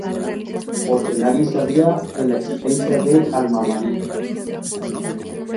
Por que nadie sabía de la existencia de Alma Mía.